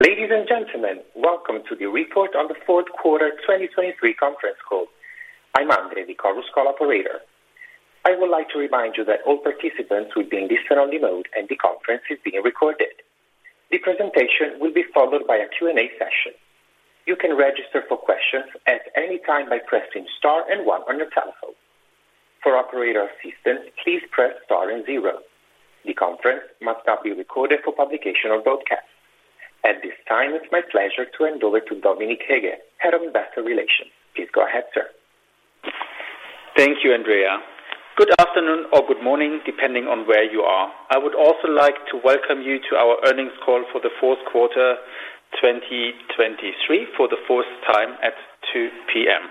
Ladies and gentlemen, welcome to the report on the Fourth Quarter 2023 Conference Call. I'm Andrea, the Chorus Call operator. I would like to remind you that all participants will be in listen-only mode and the conference is being recorded. The presentation will be followed by a Q&A session. You can register for questions at any time by pressing star and 1 on your telephone. For operator assistance, please press star and zero. The conference must not be recorded for publication or broadcast. At this time, it's my pleasure to hand over to Dominik Heger, Head of Investor Relations. Please go ahead, sir. Thank you, Andrea. Good afternoon or good morning, depending on where you are. I would also like to welcome you to our Earnings Call for the Fourth Quarter 2023 for the fourth time at 2:00 P.M.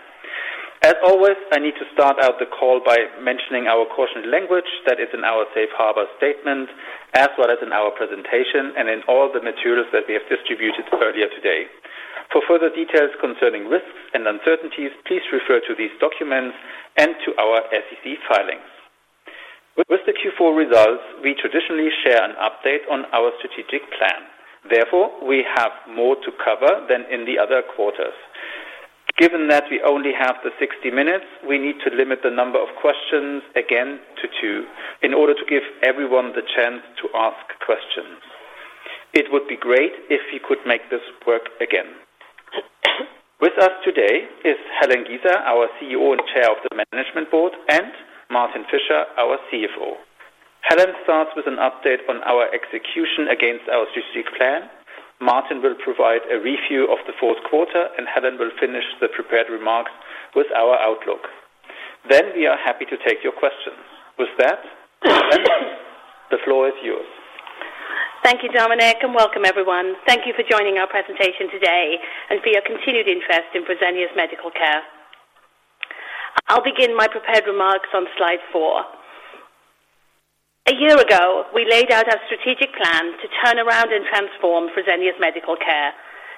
As always, I need to start out the call by mentioning our caution language that is in our Safe Harbor statement, as well as in our presentation and in all the materials that we have distributed earlier today. For further details concerning risks and uncertainties, please refer to these documents and to our SEC filings. With the Q4 results, we traditionally share an update on our strategic plan. Therefore, we have more to cover than in the other quarters. Given that we only have the 60 minutes, we need to limit the number of questions, again, to two, in order to give everyone the chance to ask questions.It would be great if we could make this work again. With us today is Helen Giza, our CEO and Chair of the Management Board, and Martin Fischer, our CFO. Helen starts with an update on our execution against our strategic plan. Martin will provide a review of the fourth quarter, and Helen will finish the prepared remarks with our outlook. Then we are happy to take your questions. With that, Helen, the floor is yours. Thank you, Dominik, and welcome, everyone. Thank you for joining our presentation today and for your continued interest in Fresenius Medical Care. I'll begin my prepared remarks on slide four. A year ago, we laid out our strategic plan to turn around and transform Fresenius Medical Care.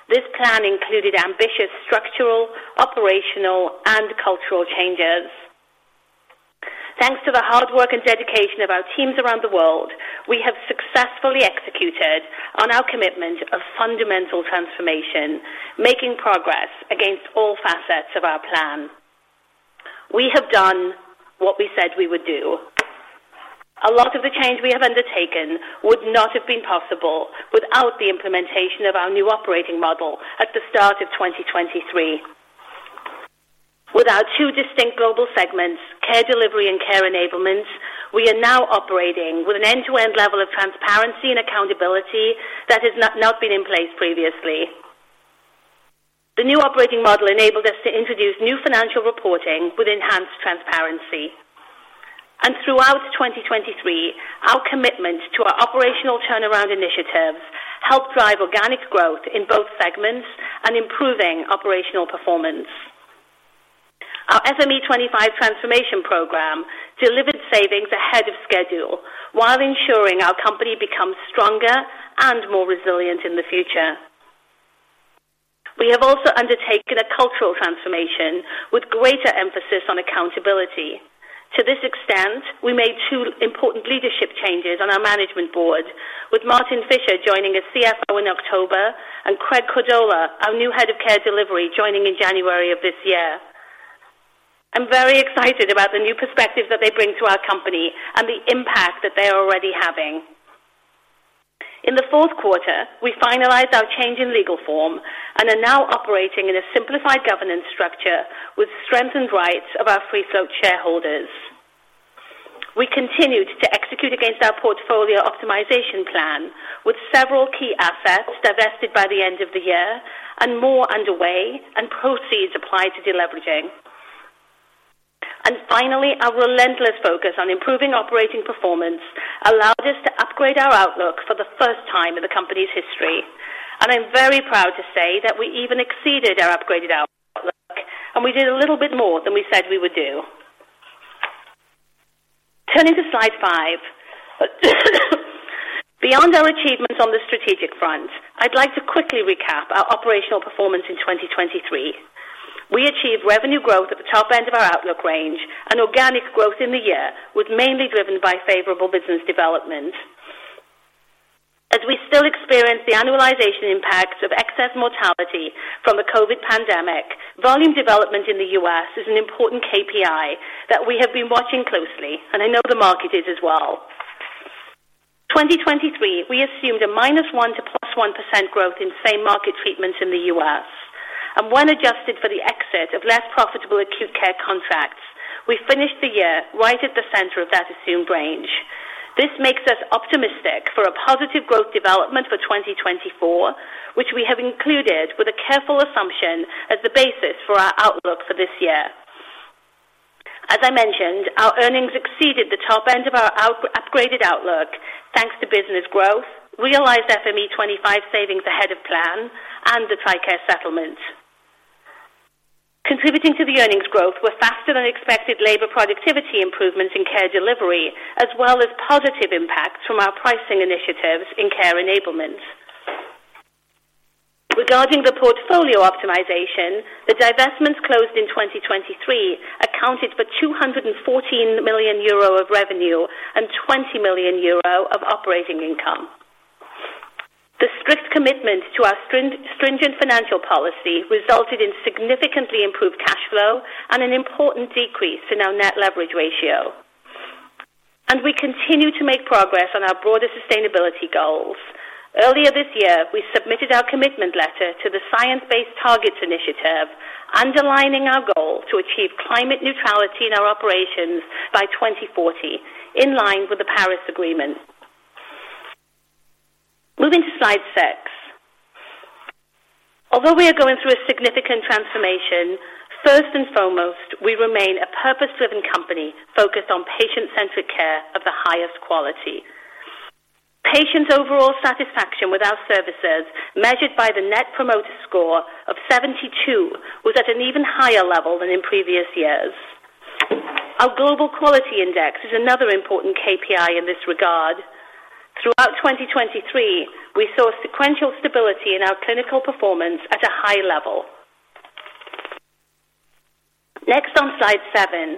This plan included ambitious structural, operational, and cultural changes. Thanks to the hard work and dedication of our teams around the world, we have successfully executed on our commitment of fundamental transformation, making progress against all facets of our plan. We have done what we said we would do. A lot of the change we have undertaken would not have been possible without the implementation of our new operating model at the start of 2023.With our two distinct global segments, Care Delivery and Care Enablement, we are now operating with an end-to-end level of transparency and accountability that has not been in place previously. The new operating model enabled us to introduce new financial reporting with enhanced transparency. Throughout 2023, our commitment to our operational turnaround initiatives helped drive organic growth in both segments and improving operational performance. Our FME25 transformation program delivered savings ahead of schedule while ensuring our company becomes stronger and more resilient in the future. We have also undertaken a cultural transformation with greater emphasis on accountability. To this extent, we made two important leadership changes on our management board, with Martin Fischer joining as CFO in October and Craig Cordola, our new head of Care Delivery, joining in January of this year. I'm very excited about the new perspective that they bring to our company and the impact that they are already having. In the fourth quarter, we finalized our change in legal form and are now operating in a simplified governance structure with strengthened rights of our free-float shareholders. We continued to execute against our portfolio optimization plan with several key assets divested by the end of the year and more underway and proceeds applied to deleveraging. And finally, our relentless focus on improving operating performance allowed us to upgrade our outlook for the first time in the company's history. And I'm very proud to say that we even exceeded our upgraded outlook, and we did a little bit more than we said we would do. Turning to slide five. Beyond our achievements on the strategic front, I'd like to quickly recap our operational performance in 2023. We achieved revenue growth at the top end of our outlook range, and organic growth in the year was mainly driven by favorable business development. As we still experience the annualization impacts of excess mortality from the COVID pandemic, volume development in the U.S. is an important KPI that we have been watching closely, and I know the market is as well. 2023, we assumed a -1%-+1% growth in same-market treatments in the U.S. When adjusted for the exit of less profitable acute care contracts, we finished the year right at the center of that assumed range. This makes us optimistic for a positive growth development for 2024, which we have included with a careful assumption as the basis for our outlook for this year. As I mentioned, our earnings exceeded the top end of our upgraded outlook thanks to business growth, realized FME25 savings ahead of plan, and the TRICARE settlement. Contributing to the earnings growth were faster-than-expected labor productivity improvements in Care Delivery, as well as positive impacts from our pricing initiatives in Care Enablement. Regarding the portfolio optimization, the divestments closed in 2023 accounted for 214 million euro of revenue and 20 million euro of operating income. The strict commitment to our stringent financial policy resulted in significantly improved cash flow and an important decrease in our net leverage ratio. We continue to make progress on our broader sustainability goals. Earlier this year, we submitted our commitment letter to the Science-Based Targets Initiative, underlining our goal to achieve climate neutrality in our operations by 2040 in line with the Paris Agreement. Moving to slide six. Although we are going through a significant transformation, first and foremost, we remain a purpose-driven company focused on patient-centric care of the highest quality. Patients' overall satisfaction with our services, measured by the Net Promoter Score of 72, was at an even higher level than in previous years. Our Global Quality Index is another important KPI in this regard. Throughout 2023, we saw sequential stability in our clinical performance at a high level. Next on slide 7.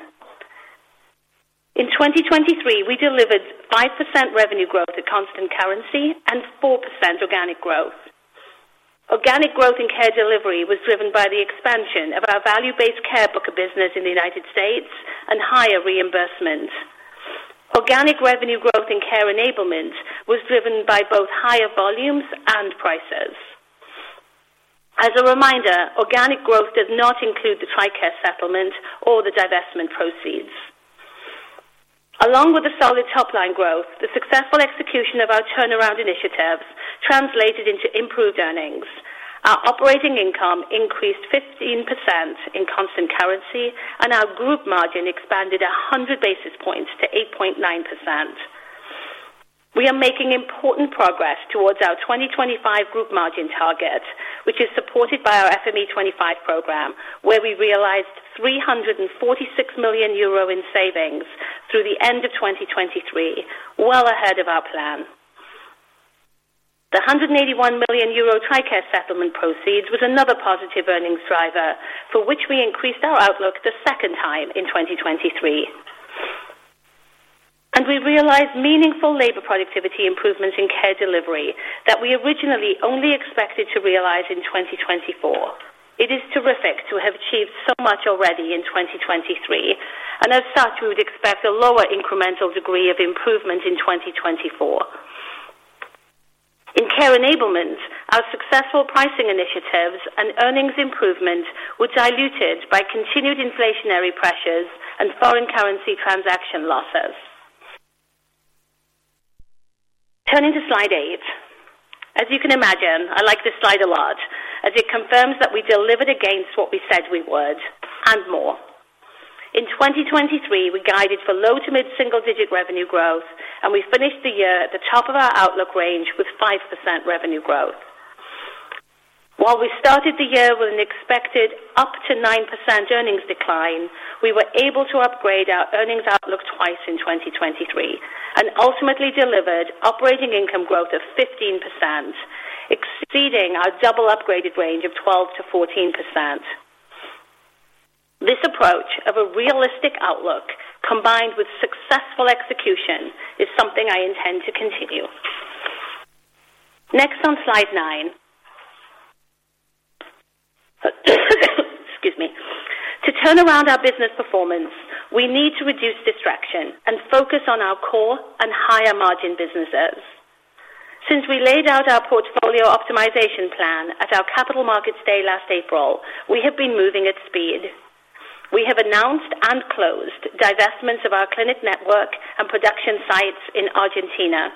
In 2023, we delivered 5% revenue growth at constant currency and 4% organic growth. Organic growth in Care Delivery was driven by the expansion of our value-based care book of business in the United States and higher reimbursement. Organic revenue growth in Care Enablement was driven by both higher volumes and prices. As a reminder, organic growth does not include the TRICARE settlement or the divestment proceeds. Along with the solid top-line growth, the successful execution of our turnaround initiatives translated into improved earnings. Our operating income increased 15% in constant currency, and our group margin expanded 100 basis points to 8.9%. We are making important progress towards our 2025 group margin target, which is supported by our FME25 program, where we realized 346 million euro in savings through the end of 2023, well ahead of our plan. The 181 million euro TRICARE settlement proceeds was another positive earnings driver for which we increased our outlook the second time in 2023. And we realized meaningful labor productivity improvements in Care Delivery that we originally only expected to realize in 2024. It is terrific to have achieved so much already in 2023, and as such, we would expect a lower incremental degree of improvement in 2024.In Care Enablement, our successful pricing initiatives and earnings improvement were diluted by continued inflationary pressures and foreign currency transaction losses. Turning to slide eight. As you can imagine, I like this slide a lot as it confirms that we delivered against what we said we would and more. In 2023, we guided for low to mid-single-digit revenue growth, and we finished the year at the top of our outlook range with 5% revenue growth. While we started the year with an expected up to 9% earnings decline, we were able to upgrade our earnings outlook twice in 2023 and ultimately delivered operating income growth of 15%, exceeding our double-upgraded range of 12%-14%. This approach of a realistic outlook combined with successful execution is something I intend to continue. Next on slide nine. Excuse me. To turn around our business performance, we need to reduce distraction and focus on our core and higher-margin businesses. Since we laid out our portfolio optimization plan at our capital markets day last April, we have been moving at speed. We have announced and closed divestments of our clinic network and production sites in Argentina,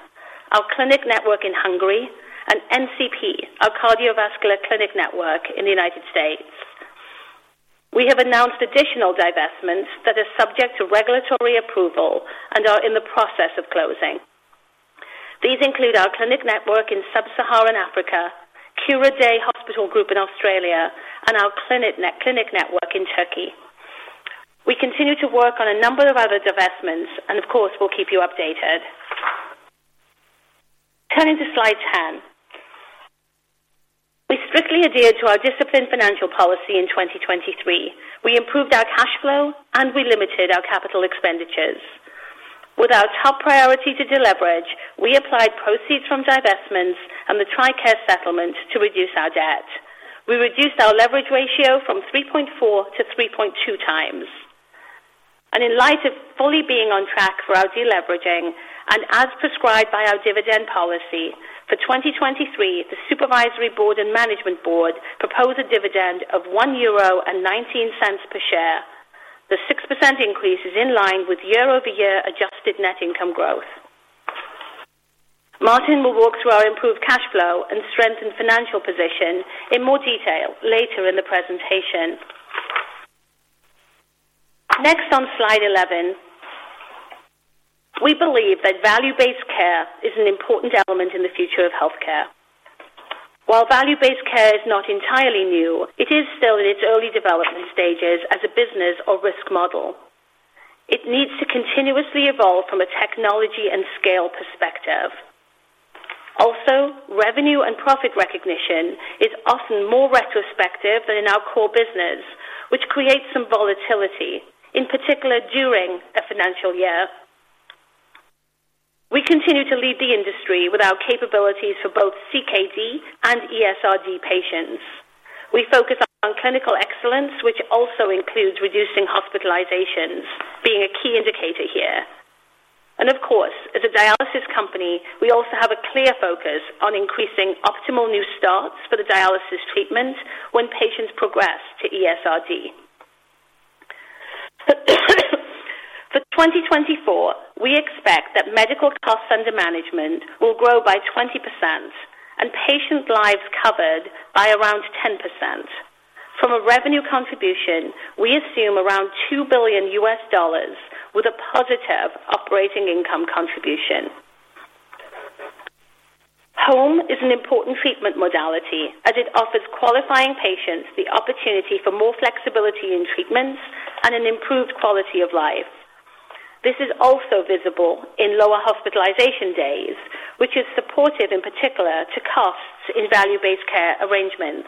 our clinic network in Hungary, and NCP, our cardiovascular clinic network in the United States. We have announced additional divestments that are subject to regulatory approval and are in the process of closing. These include our clinic network in Sub-Saharan Africa, Cura Day Hospitals Group in Australia, and our clinic network in Turkey. We continue to work on a number of other divestments, and of course, we'll keep you updated. Turning to slide 10. We strictly adhered to our disciplined financial policy in 2023. We improved our cash flow, and we limited our capital expenditures. With our top priority to deleverage, we applied proceeds from divestments and the TRICARE settlement to reduce our debt. We reduced our leverage ratio from 3.4x-3.2x. In light of fully being on track for our deleveraging and as prescribed by our dividend policy, for 2023, the Supervisory Board and Management Board proposed a dividend of 1.19 euro per share. The 6% increase is in line with year-over-year adjusted net income growth. Martin will walk through our improved cash flow and strengthened financial position in more detail later in the presentation. Next on slide 11. We believe that Value-Based Care is an important element in the future of healthcare. While Value-Based Care is not entirely new, it is still in its early development stages as a business or risk model. It needs to continuously evolve from a technology and scale perspective. Also, revenue and profit recognition is often more retrospective than in our core business, which creates some volatility, in particular during a financial year. We continue to lead the industry with our capabilities for both CKD and ESRD patients. We focus on clinical excellence, which also includes reducing hospitalizations, being a key indicator here. And of course, as a dialysis company, we also have a clear focus on increasing optimal new starts for the dialysis treatment when patients progress to ESRD. For 2024, we expect that medical costs under management will grow by 20% and patient lives covered by around 10%. From a revenue contribution, we assume around $2 billion with a positive operating income contribution. Home is an important treatment modality as it offers qualifying patients the opportunity for more flexibility in treatments and an improved quality of life. This is also visible in lower hospitalization days, which is supportive in particular to costs in value-based care arrangements.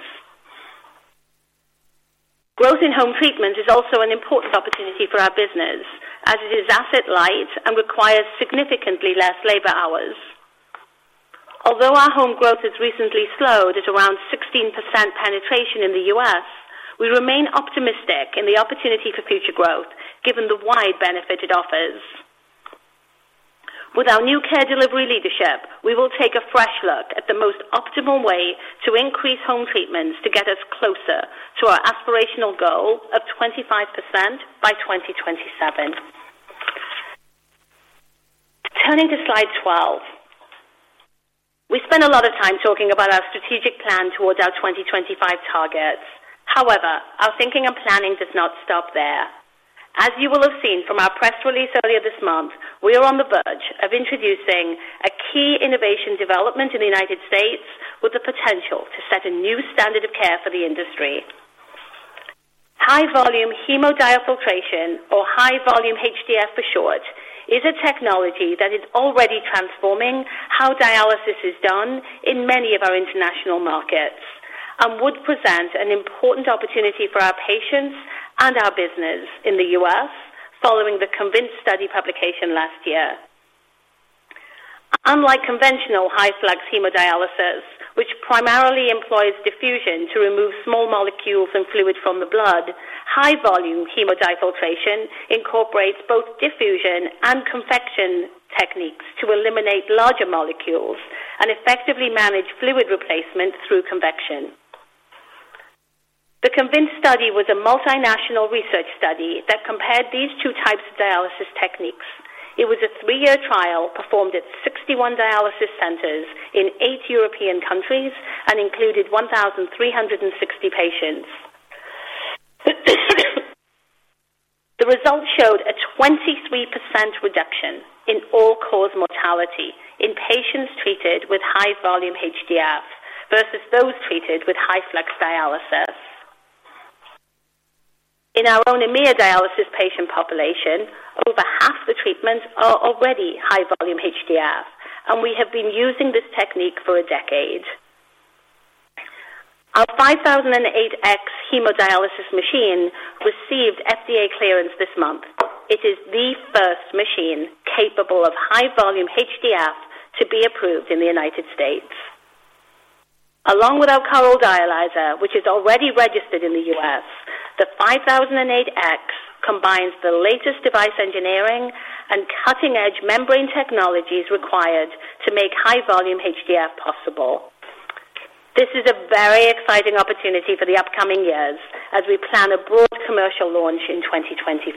Growth in home treatment is also an important opportunity for our business as it is asset-light and requires significantly less labor hours. Although our home growth has recently slowed at around 16% penetration in the U.S., we remain optimistic in the opportunity for future growth given the wide benefit it offers. With our new Care Delivery leadership, we will take a fresh look at the most optimal way to increase home treatments to get us closer to our aspirational goal of 25% by 2027. Turning to slide 12. We spend a lot of time talking about our strategic plan towards our 2025 targets. However, our thinking and planning does not stop there. As you will have seen from our press release earlier this month, we are on the verge of introducing a key innovation development in the United States with the potential to set a new standard of care for the industry. High-Volume Hemodiafiltration, or High-Volume HDF for short, is a technology that is already transforming how dialysis is done in many of our international markets and would present an important opportunity for our patients and our business in the US following the CONVINCE study publication last year. Unlike conventional high-flux hemodialysis, which primarily employs diffusion to remove small molecules and fluid from the blood, High-Volume Hemodiafiltration incorporates both diffusion and convection techniques to eliminate larger molecules and effectively manage fluid replacement through convection. The CONVINCE study was a multinational research study that compared these two types of dialysis techniques. It was a three year trial performed at 61 dialysis centers in 8 European countries and included 1,360 patients. The results showed a 23% reduction in all-cause mortality in patients treated with High-Volume HDF versus those treated with high-flux dialysis. In our own AMEA dialysis patient population, over half the treatments are already High-Volume HDF, and we have been using this technique for a decade. Our 5008X hemodialysis machine received FDA clearance this month. It is the first machine capable of High-Volume HDF to be approved in the United States. Along with our FX CorDiax, which is already registered in the U.S., the 5008X combines the latest device engineering and cutting-edge membrane technologies required to make High-Volume HDF possible. This is a very exciting opportunity for the upcoming years as we plan a broad commercial launch in 2025.In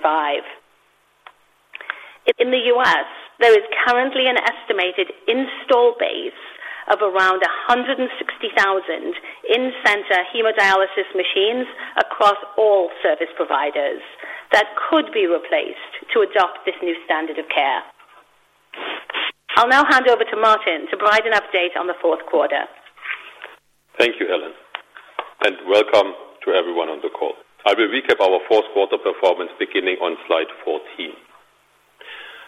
the U.S., there is currently an estimated installed base of around 160,000 in-center hemodialysis machines across all service providers that could be replaced to adopt this new standard of care. I'll now hand over to Martin to provide an update on the fourth quarter. Thank you, Helen, and welcome to everyone on the call. I will recap our fourth quarter performance beginning on slide 14.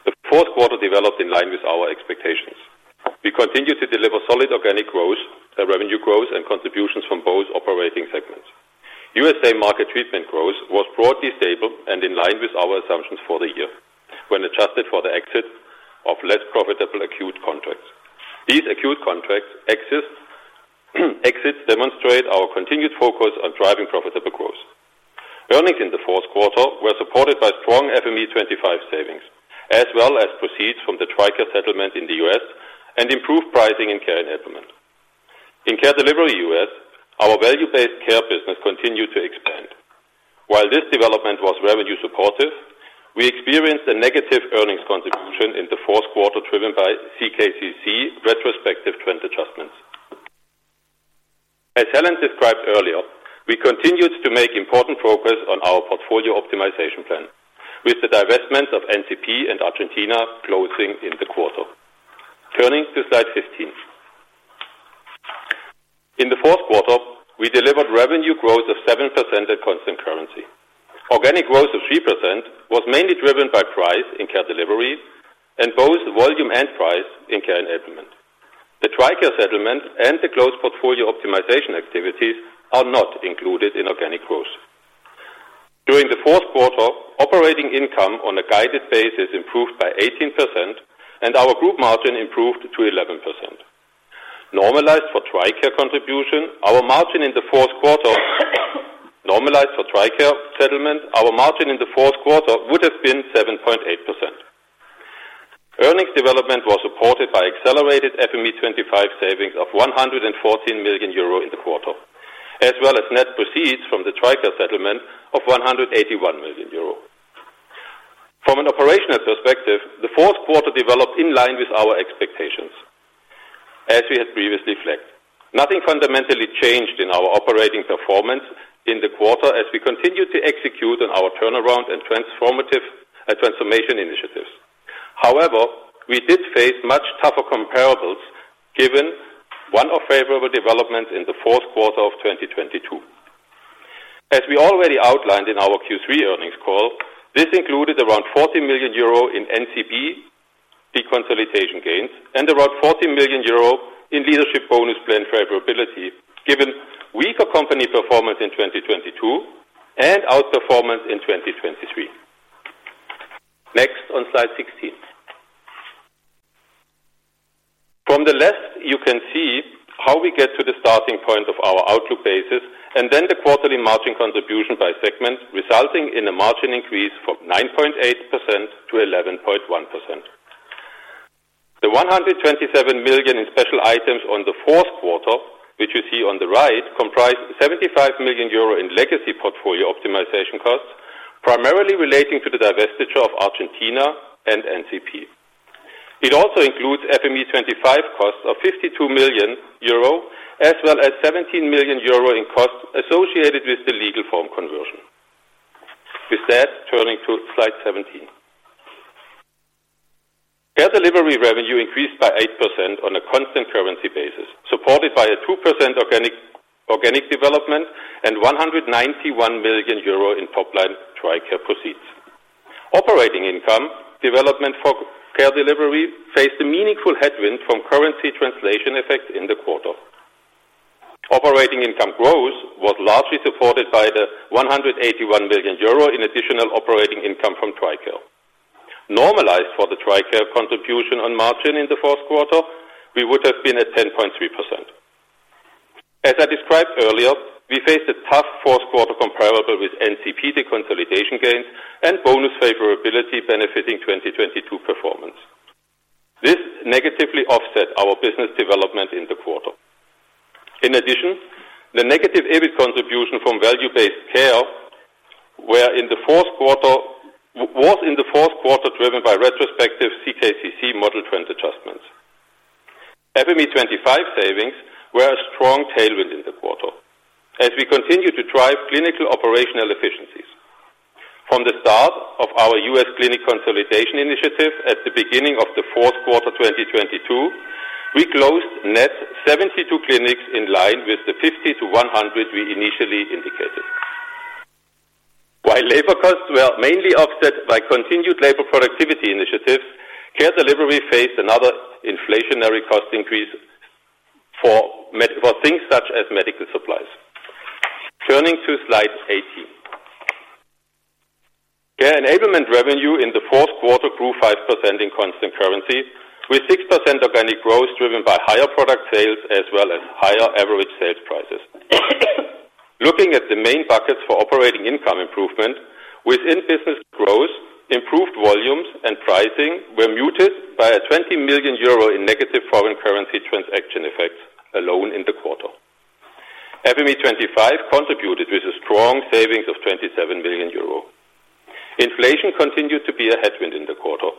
The fourth quarter developed in line with our expectations. We continue to deliver solid organic growth, revenue growth, and contributions from both operating segments. US market treatment growth was broadly stable and in line with our assumptions for the year when adjusted for the exit of less profitable acute contracts. These acute contracts exit demonstrate our continued focus on driving profitable growth. Earnings in the fourth quarter were supported by strong FME25 savings as well as proceeds from the TRICARE settlement in the U.S. and improved pricing in Care Enablement. In Care Delivery US, our Value-Based Care business continued to expand. While this development was revenue supportive, we experienced a negative earnings contribution in the fourth quarter driven by CKCC retrospective trend adjustments. As Helen described earlier, we continued to make important progress on our portfolio optimization plan with the divestments of NCP and Argentina closing in the quarter. Turning to slide 15. In the fourth quarter, we delivered revenue growth of 7% at constant currency. Organic growth of 3% was mainly driven by price in Care Delivery and both volume and price in Care Enablement. The TRICARE settlement and the closed portfolio optimization activities are not included in organic growth. During the fourth quarter, operating income on a guided basis improved by 18%, and our group margin improved to 11%. Normalized for TRICARE contribution, our margin in the fourth quarter normalized for TRICARE settlement, our margin in the fourth quarter would have been 7.8%. Earnings development was supported by accelerated FME25 savings of 114 million euro in the quarter as well as net proceeds from the TRICARE settlement of 181 million. From an operational perspective, the fourth quarter developed in line with our expectations as we had previously flagged. Nothing fundamentally changed in our operating performance in the quarter as we continued to execute on our turnaround and transformation initiatives. However, we did face much tougher comparables given one of favorable developments in the fourth quarter of 2022. As we already outlined in our Q3 earnings call, this included around 40 million euro in NCP deconsolidation gains and around 40 million euro in leadership bonus plan favorability given weaker company performance in 2022 and outperformance in 2023. Next on slide 16. From the left, you can see how we get to the starting point of our outlook basis and then the quarterly margin contribution by segment resulting in a margin increase from 9.8%-11.1%. The 127 million in special items on the fourth quarter, which you see on the right, comprised 75 million euro in legacy portfolio optimization costs primarily relating to the divestiture of Argentina and NCP. It also includes FME25 costs of 52 million euro as well as 17 million euro in costs associated with the legal form conversion. With that, turning to slide 17. Care delivery revenue increased by 8% on a constant currency basis supported by a 2% organic development and 191 million euro in top-line TRICARE proceeds. Operating income development for Care Delivery faced a meaningful headwind from currency translation effect in the quarter. Operating income growth was largely supported by the 181 million euro in additional operating income from TRICARE. Normalized for the TRICARE contribution on margin in the fourth quarter, we would have been at 10.3%. As I described earlier, we faced a tough fourth quarter comparable with NCP deconsolidation gains and bonus favorability benefiting 2022 performance. This negatively offset our business development in the quarter. In addition, the negative EBIT contribution from value-based care were in the fourth quarter was in the fourth quarter driven by retrospective CKCC model trend adjustments. FME25 savings were a strong tailwind in the quarter as we continue to drive clinical operational efficiencies. From the start of our US clinic consolidation initiative at the beginning of the fourth quarter 2022, we closed net 72 clinics in line with the 50-100 we initially indicated. While labor costs were mainly offset by continued labor productivity initiatives, Care Delivery faced another inflationary cost increase for things such as medical supplies. Turning to slide 18. Care Enablement revenue in the fourth quarter grew 5% in constant currency with 6% organic growth driven by higher product sales as well as higher average sales prices. Looking at the main buckets for operating income improvement, within business growth, improved volumes and pricing were muted by a 20 million euro in negative foreign currency transaction effects alone in the quarter. FME25 contributed with a strong savings of 27 million euro. Inflation continued to be a headwind in the quarter,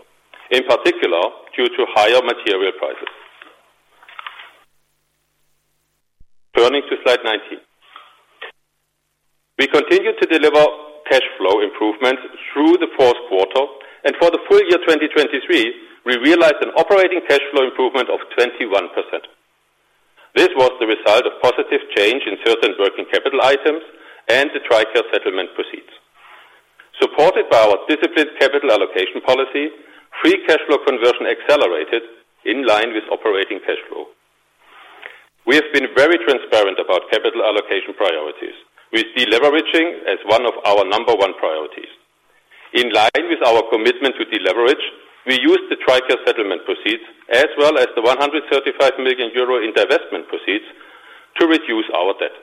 in particular due to higher material prices. Turning to slide 19. We continued to deliver cash flow improvements through the fourth quarter, and for the full year 2023, we realized an operating cash flow improvement of 21%. This was the result of positive change in certain working capital items and the TRICARE settlement proceeds. Supported by our disciplined capital allocation policy, free cash flow conversion accelerated in line with operating cash flow. We have been very transparent about capital allocation priorities with deleveraging as one of our number one priorities. In line with our commitment to deleverage, we used the TRICARE settlement proceeds as well as the 135 million euro in divestment proceeds to reduce our debt.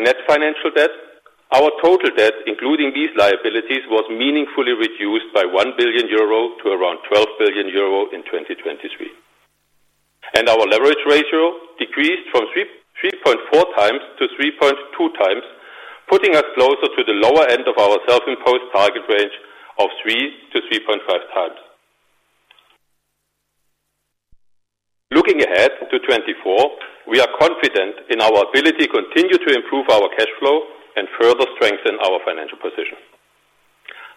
Net financial debt, our total debt including these liabilities was meaningfully reduced by 1 billion euro to around 12 billion euro in 2023. Our leverage ratio decreased from 3.4x-3.2x, putting us closer to the lower end of our self-imposed target range of 3x-3.5x. Looking ahead to 2024, we are confident in our ability to continue to improve our cash flow and further strengthen our financial position.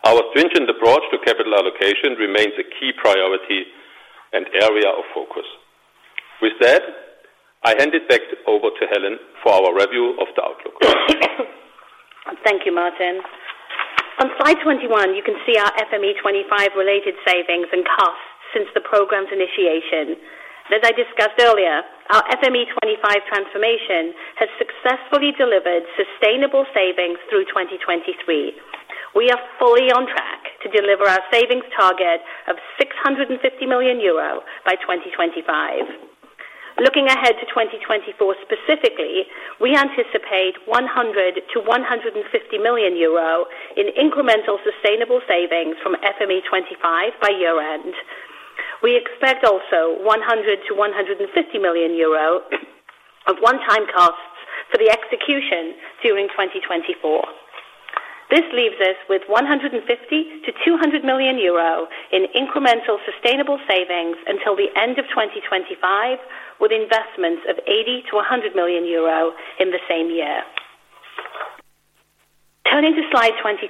Our stringent approach to capital allocation remains a key priority and area of focus. With that, I hand it back over to Helen for our review of the outlook. Thank you, Martin. On slide 21, you can see our FME25 related savings and costs since the program's initiation. As I discussed earlier, our FME25 transformation has successfully delivered sustainable savings through 2023. We are fully on track to deliver our savings target of 650 million euro by 2025. Looking ahead to 2024 specifically, we anticipate 100 million-150 million euro in incremental sustainable savings from FME25 by year-end. We expect also 100 million-150 million euro of one-time costs for the execution during 2024. This leaves us with 150 million-200 million euro in incremental sustainable savings until the end of 2025 with investments of 80 million-100 million euro in the same year. Turning to slide 22.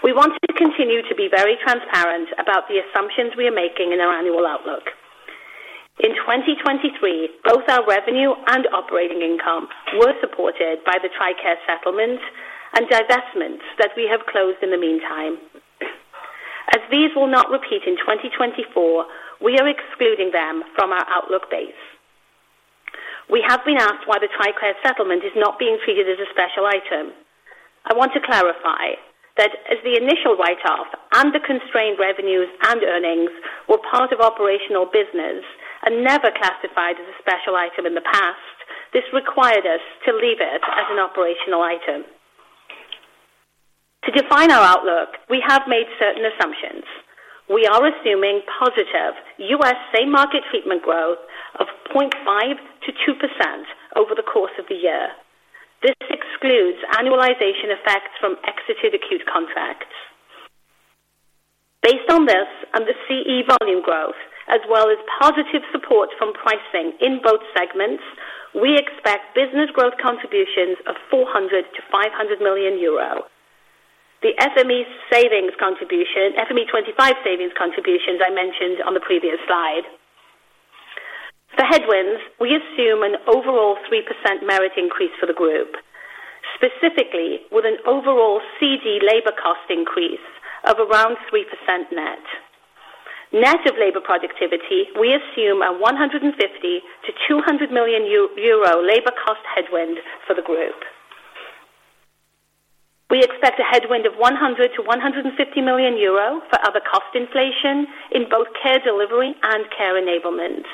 We wanted to continue to be very transparent about the assumptions we are making in our annual outlook.In 2023, both our revenue and operating income were supported by the TRICARE settlements and divestments that we have closed in the meantime. As these will not repeat in 2024, we are excluding them from our outlook base. We have been asked why the TRICARE settlement is not being treated as a special item. I want to clarify that as the initial write-off and the constrained revenues and earnings were part of operational business and never classified as a special item in the past, this required us to leave it as an operational item. To define our outlook, we have made certain assumptions. We are assuming positive US same-market treatment growth of 0.5%-2% over the course of the year. This excludes annualization effects from exited acute contracts. Based on this and the CE volume growth as well as positive support from pricing in both segments, we expect business growth contributions of 400 million-500 million euro. The FME25 savings contributions I mentioned on the previous slide. For headwinds, we assume an overall 3% merit increase for the group, specifically with an overall CD labor cost increase of around 3% net. Net of labor productivity, we assume a 150 million-200 million euro labor cost headwind for the group. We expect a headwind of 100 million-150 million euro for other cost inflation in both Care Delivery and Care Enablement.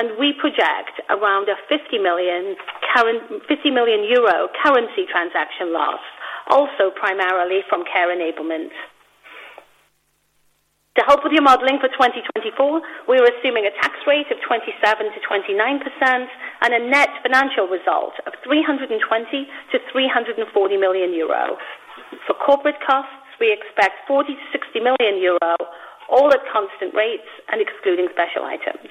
And we project around a 50 million euro currency transaction loss, also primarily from Care Enablement. To help with your modeling for 2024, we are assuming a tax rate of 27%-29% and a net financial result of 320 million-340 euro million. For corporate costs, we expect 40 million-60 million euro, all at constant rates and excluding special items.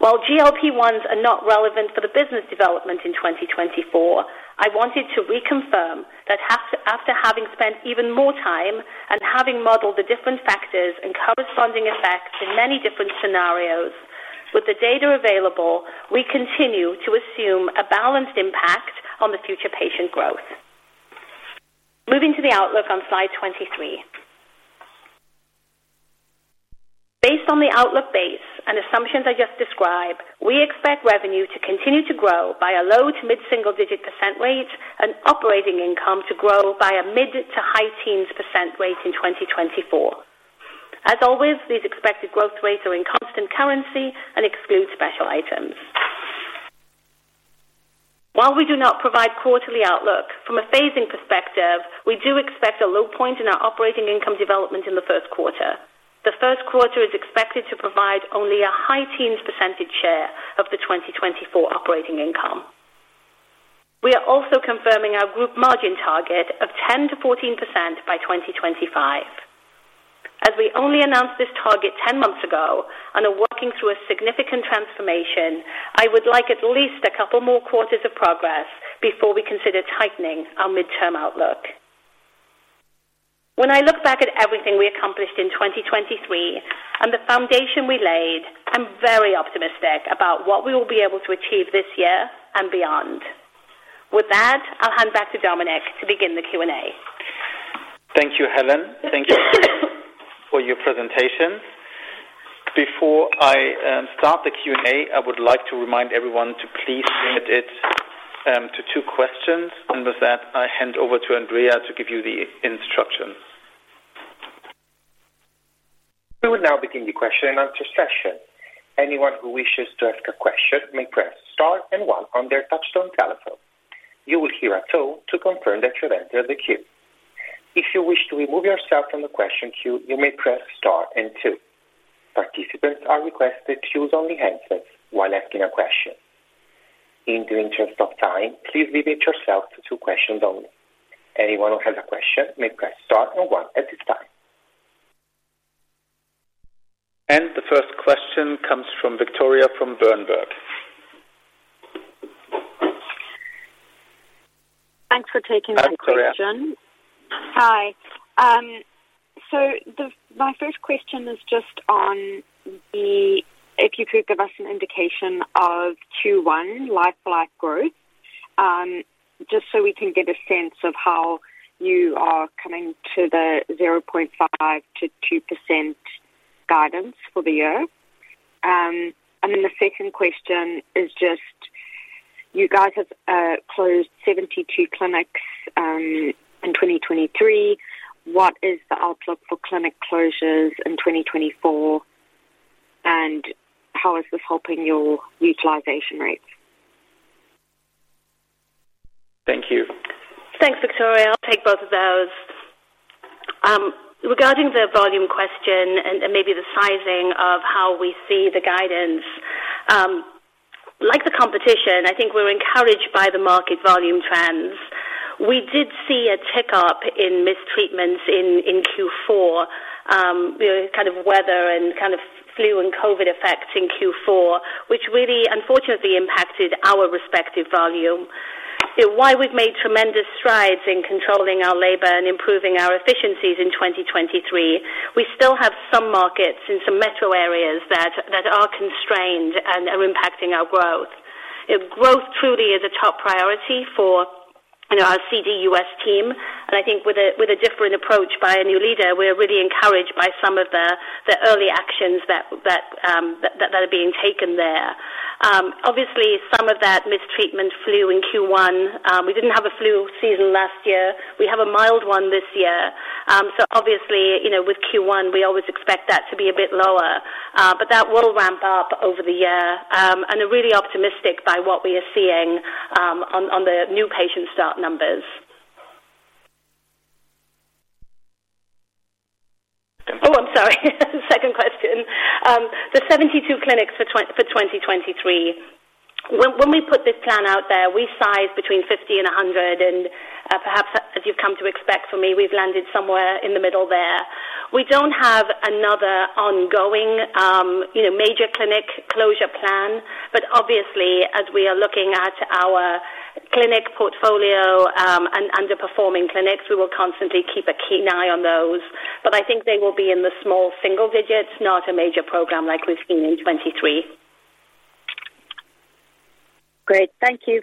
While GLP-1s are not relevant for the business development in 2024, I wanted to reconfirm that after having spent even more time and having modelled the different factors and corresponding effects in many different scenarios, with the data available, we continue to assume a balanced impact on the future patient growth. Moving to the outlook on slide 23. Based on the outlook base and assumptions I just described, we expect revenue to continue to grow by a low- to mid-single-digit % rate and operating income to grow by a mid- to high-teens percent rate in 2024. As always, these expected growth rates are in constant currency and exclude special items. While we do not provide quarterly outlook, from a phasing perspective, we do expect a low point in our operating income development in the first quarter. The first quarter is expected to provide only a high-teens percentage share of the 2024 operating income. We are also confirming our group margin target of 10%-14% by 2025. As we only announced this target 10 months ago and are working through a significant transformation, I would like at least a couple more quarters of progress before we consider tightening our mid-term outlook. When I look back at everything we accomplished in 2023 and the foundation we laid, I'm very optimistic about what we will be able to achieve this year and beyond. With that, I'll hand back to Dominik to begin the Q&A. Thank you, Helen. Thank you for your presentation. Before I start the Q&A, I would like to remind everyone to please limit it to two questions. With that, I hand over to Andrea to give you the instructions. We will now begin the question-and-answer session. Anyone who wishes to ask a question may press star and one on their touch-tone telephone. You will hear a tone to confirm that you've entered the queue. If you wish to remove yourself from the question queue, you may press star and two. Participants are requested to use only handsets while asking a question. In the interest of time, please limit yourself to two questions only. Anyone who has a question may press star and one at this time. The first question comes from Victoria from Berenberg. Thanks for taking my question. I'm Cora. Hi. So my first question is just on if you could give us an indication of 2.1% like-for-like growth, just so we can get a sense of how you are coming to the 0.5%-2% guidance for the year. And then the second question is just, you guys have closed 72 clinics in 2023. What is the outlook for clinic closures in 2024, and how is this helping your utilization rates? Thank you. Thanks, Victoria. I'll take both of those. Regarding the volume question and maybe the sizing of how we see the guidance, like the competition, I think we're encouraged by the market volume trends. We did see a tick-up in treatments in Q4, kind of weather and kind of flu and COVID effects in Q4, which really, unfortunately, impacted our respective volume. While we've made tremendous strides in controlling our labor and improving our efficiencies in 2023, we still have some markets in some metro areas that are constrained and are impacting our growth. Growth truly is a top priority for our CDUS team. And I think with a different approach by a new leader, we're really encouraged by some of the early actions that are being taken there. Obviously, some of that treatment, flu in Q1, we didn't have a flu season last year. We have a mild one this year. So obviously, with Q1, we always expect that to be a bit lower. But that will ramp up over the year. And I'm really optimistic by what we are seeing on the new patient start numbers. Oh, I'm sorry. Second question. The 72 clinics for 2023, when we put this plan out there, we sized between 50-100. And perhaps, as you've come to expect from me, we've landed somewhere in the middle there. We don't have another ongoing major clinic closure plan. But obviously, as we are looking at our clinic portfolio and underperforming clinics, we will constantly keep a keen eye on those. But I think they will be in the small single digits, not a major program like we've seen in 2023. Great. Thank you.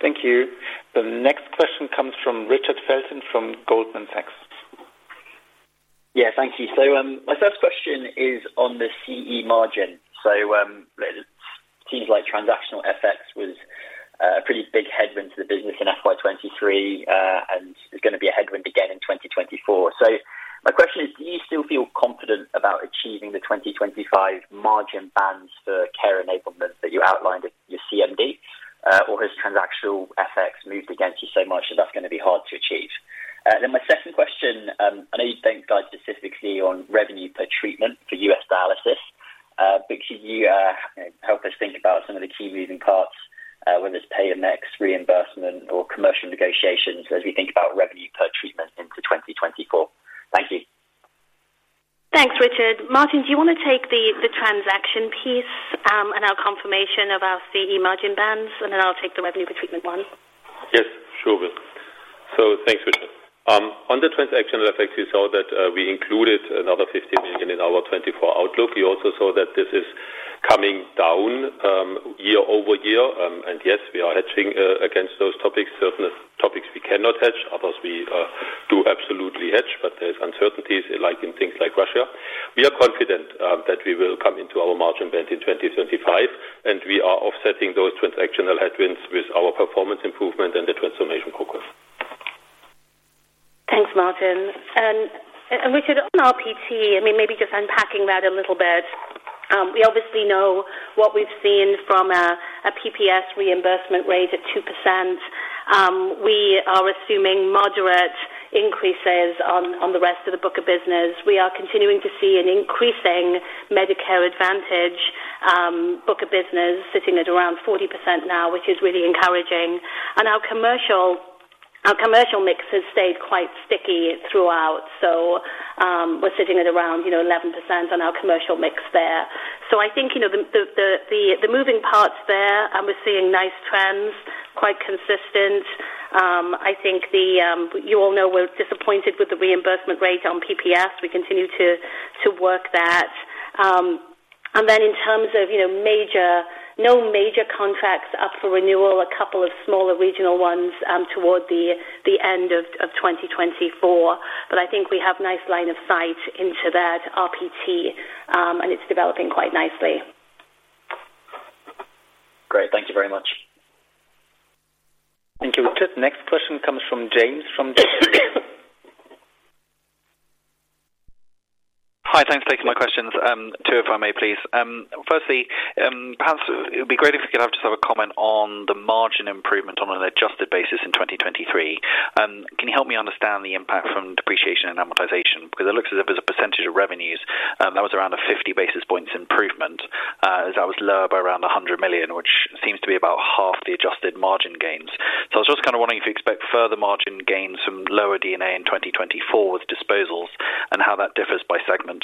Thank you. The next question comes from Richard Felton from Goldman Sachs. Yeah, thank you. So my first question is on the CE margin. So it seems like transactional effects was a pretty big headwind to the business in FY23 and is going to be a headwind again in 2024. So my question is, do you still feel confident about achieving the 2025 margin bands for Care Enablement that you outlined at your CMD, or has transactional effects moved against you so much that that's going to be hard to achieve? Then my second question, I know you don't guide specifically on revenue per treatment for US dialysis, but could you help us think about some of the key moving parts, whether it's payer mix, reimbursement, or commercial negotiations as we think about revenue per treatment into 2024? Thank you. Thanks, Richard. Martin, do you want to take the transaction piece and our confirmation of our CE margin bands? And then I'll take the revenue per treatment one. Yes, sure will. So thanks, Richard. On the transactional effects, you saw that we included another 50 million in our 2024 outlook. You also saw that this is coming down year-over-year. And yes, we are hedging against those topics, certain topics we cannot hedge, others we do absolutely hedge, but there's uncertainties in things like Russia. We are confident that we will come into our margin band in 2025, and we are offsetting those transactional headwinds with our performance improvement and the transformation program. Thanks, Martin. And Richard, on our PT, I mean, maybe just unpacking that a little bit. We obviously know what we've seen from a PPS reimbursement rate at 2%. We are assuming moderate increases on the rest of the book of business. We are continuing to see an increasing Medicare Advantage book of business sitting at around 40% now, which is really encouraging. And our commercial mix has stayed quite sticky throughout. So we're sitting at around 11% on our commercial mix there. So I think the moving parts there, and we're seeing nice trends, quite consistent. I think you all know we're disappointed with the reimbursement rate on PPS. We continue to work that. And then in terms of no major contracts up for renewal, a couple of smaller regional ones toward the end of 2024.But I think we have a nice line of sight into that RPT, and it's developing quite nicely. Great. Thank you very much. Thank you. The next question comes from James from Jefferies. Hi. Thanks for taking my questions, two if I may, please. Firstly, perhaps it would be great if you could have just have a comment on the margin improvement on an adjusted basis in 2023. Can you help me understand the impact from depreciation and amortization? Because it looks as if there's a percentage of revenues that was around a 50 basis points improvement as that was lower by around 100 million, which seems to be about half the adjusted margin gains. So I was just kind of wondering if you expect further margin gains from lower D&A in 2024 with disposals and how that differs by segment.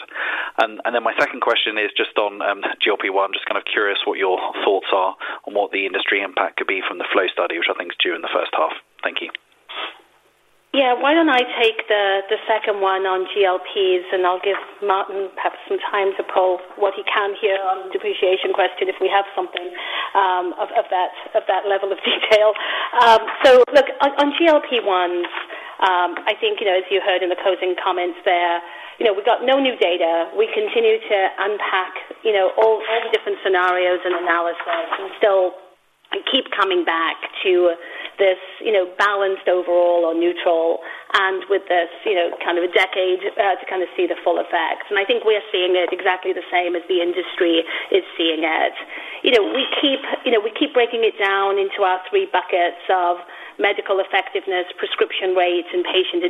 And then my second question is just on GLP-1, just kind of curious what your thoughts are on what the industry impact could be from the FLOW study, which I think's due in the first half. Thank you. Yeah. Why don't I take the second one on GLP-1s, and I'll give Martin perhaps some time to pull what he can hear on the depreciation question if we have something of that level of detail. So look, on GLP-1s, I think as you heard in the closing comments there, we've got no new data. We continue to unpack all the different scenarios and analysis and still keep coming back to this balanced overall or neutral and with this kind of a decade to kind of see the full effects. And I think we are seeing it exactly the same as the industry is seeing it. We keep breaking it down into our three buckets of medical effectiveness, prescription rates, and patient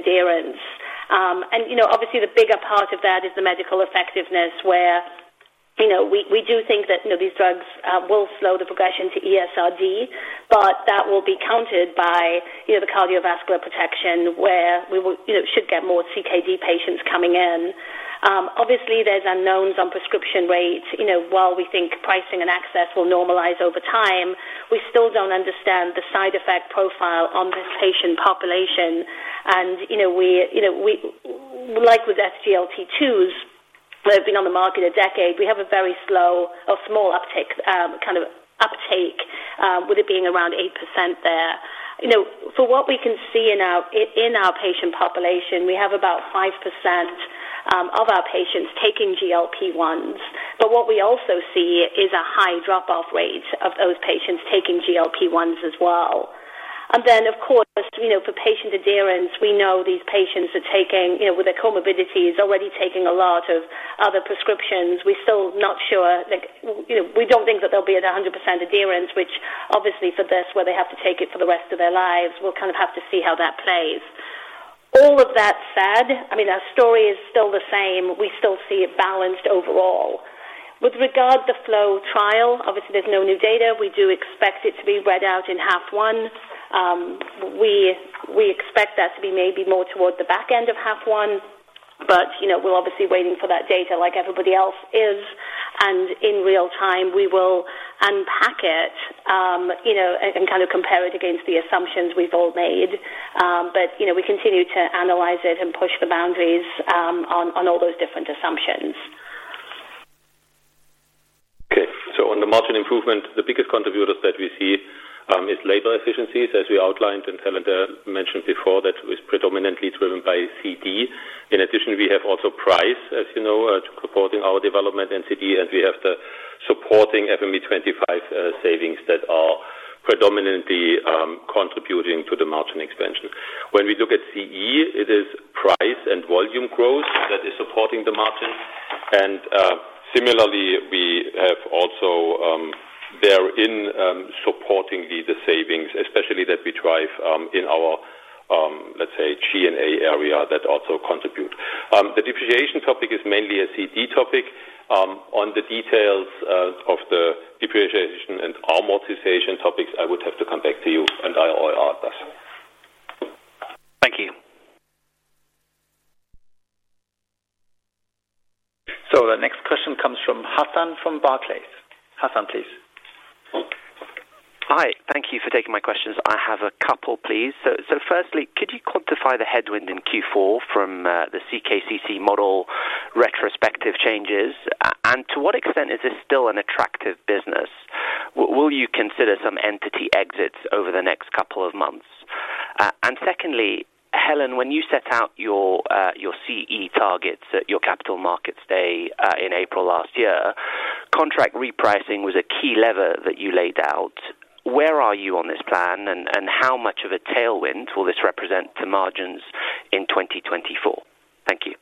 adherence. And obviously, the bigger part of that is the medical effectiveness where we do think that these drugs will slow the progression to ESRD, but that will be counted by the cardiovascular protection where we should get more CKD patients coming in. Obviously, there's unknowns on prescription rates. While we think pricing and access will normalize over time, we still don't understand the side effect profile on this patient population. And like with SGLT2s, they've been on the market a decade. We have a very slow or small uptake, kind of uptake with it being around 8% there. For what we can see in our patient population, we have about 5% of our patients taking GLP-1s. But what we also see is a high drop-off rate of those patients taking GLP-1s as well. And then, of course, for patient adherence, we know these patients are taking with their comorbidities, already taking a lot of other prescriptions. We're still not sure. We don't think that they'll be at 100% adherence, which obviously, for this where they have to take it for the rest of their lives, we'll kind of have to see how that plays. All of that said, I mean, our story is still the same. We still see it balanced overall. With regard to FLOW trial, obviously, there's no new data. We do expect it to be read out in H1. We expect that to be maybe more toward the back end of H1. But we're obviously waiting for that data like everybody else is. And in real time, we will unpack it and kind of compare it against the assumptions we've all made. But we continue to analyze it and push the boundaries on all those different assumptions. Okay. So on the margin improvement, the biggest contributors that we see is labor efficiencies, as we outlined, and Helen mentioned before that it's predominantly driven by CD. In addition, we have also price, as you know, supporting our development and CD. And we have the supporting FME25 savings that are predominantly contributing to the margin expansion. When we look at CE, it is price and volume growth that is supporting the margin. And similarly, we have also therein supportingly the savings, especially that we drive in our, let's say, G&A area that also contribute. The depreciation topic is mainly a CD topic. On the details of the depreciation and amortization topics, I would have to come back to you, and I'll ask us. Thank you. So the next question comes from Hassan from Barclays. Hassan, please. Hi. Thank you for taking my questions. I have a couple, please. So firstly, could you quantify the headwind in Q4 from the CKCC model retrospective changes? And to what extent is this still an attractive business? Will you consider some entity exits over the next couple of months? And secondly, Helen, when you set out your CE targets at your Capital Markets Day in April last year, contract repricing was a key lever that you laid out. Where are you on this plan, and how much of a tailwind will this represent to margins in 2024? Thank you.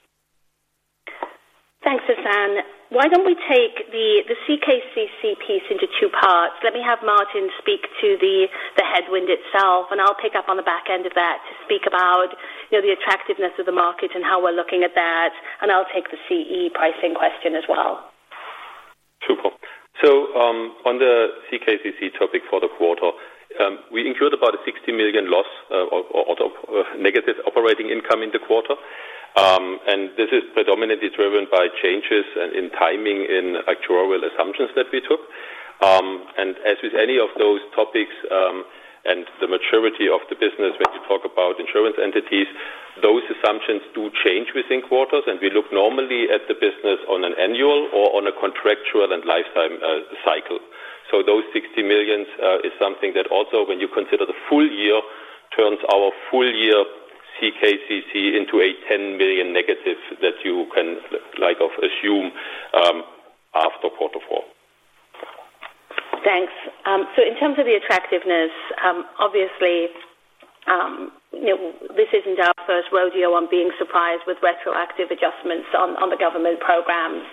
Thanks, Hassan. Why don't we take the CKCC piece into two parts? Let me have Martin speak to the headwind itself, and I'll pick up on the back end of that to speak about the attractiveness of the market and how we're looking at that. And I'll take the CE pricing question as well. Super. So on the CKCC topic for the quarter, we incurred about a 60 million loss or negative operating income in the quarter. And this is predominantly driven by changes in timing in actuarial assumptions that we took. And as with any of those topics and the maturity of the business when you talk about insurance entities, those assumptions do change within quarters. And we look normally at the business on an annual or on a contractual and lifetime cycle. So those 60 million is something that also, when you consider the full year, turns our full-year CKCC into a 10 million negative that you can assume after quarter four. Thanks. So in terms of the attractiveness, obviously, this isn't our first rodeo on being surprised with retroactive adjustments on the government programs.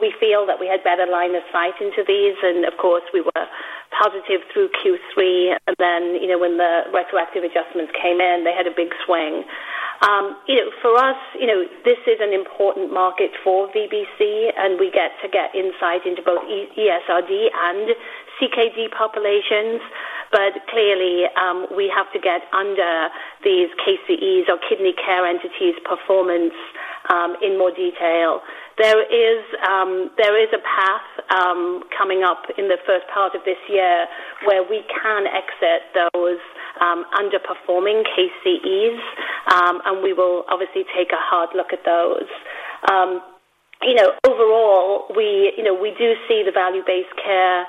We feel that we had better line of sight into these. And of course, we were positive through Q3. And then when the retroactive adjustments came in, they had a big swing. For us, this is an important market for VBC, and we get to get insight into both ESRD and CKD populations. But clearly, we have to get under these KCEs or kidney care entities' performance in more detail. There is a path coming up in the first part of this year where we can exit those underperforming KCEs, and we will obviously take a hard look at those. Overall, we do see the value-based care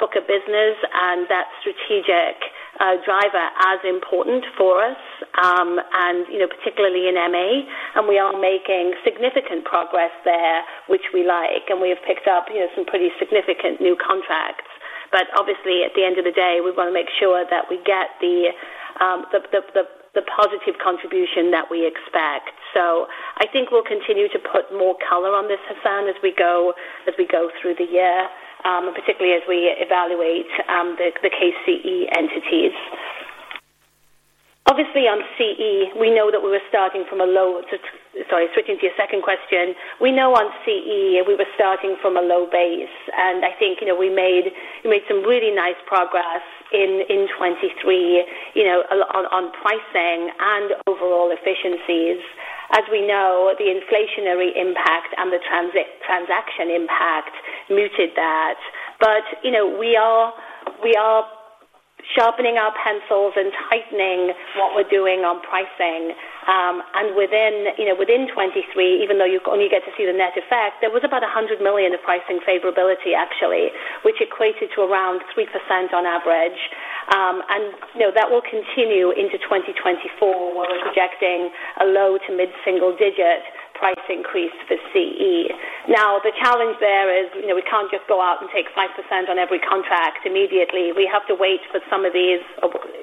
book of business and that strategic driver as important for us, and particularly in MA.And we are making significant progress there, which we like. And we have picked up some pretty significant new contracts. But obviously, at the end of the day, we want to make sure that we get the positive contribution that we expect. So I think we'll continue to put more color on this, Hassan, as we go through the year, particularly as we evaluate the KCE entities. Obviously, on CE, we know that we were starting from a low sorry, switching to your second question. We know on CE, we were starting from a low base. And I think we made some really nice progress in 2023 on pricing and overall efficiencies. As we know, the inflationary impact and the transaction impact muted that. But we are sharpening our pencils and tightening what we're doing on pricing. Within 2023, even though you only get to see the net effect, there was about 100 million of pricing favorability, actually, which equated to around 3% on average. And that will continue into 2024 where we're projecting a low- to mid-single-digit price increase for CE. Now, the challenge there is we can't just go out and take 5% on every contract immediately. We have to wait for some of these